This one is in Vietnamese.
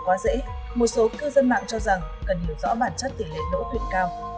quá dễ một số cư dân mạng cho rằng cần hiểu rõ bản chất tỷ lệ đỗ tuyển cao